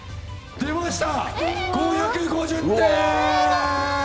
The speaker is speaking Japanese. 出ました。